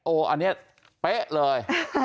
อันนี้เป๊ะเลย